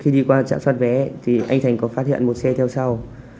khi đi qua trạm phát vé thì anh thành có phát hiện một xe theo sau